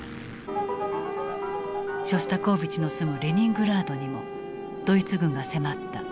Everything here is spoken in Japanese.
ショスタコーヴィチの住むレニングラードにもドイツ軍が迫った。